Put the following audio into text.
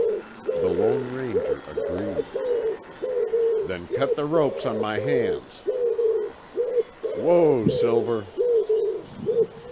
The Lone Ranger agreed. "Then cut the ropes on my hands." "Whoa, Silver."